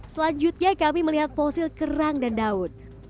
selanjutnya kami melihat fosil kerang dan daun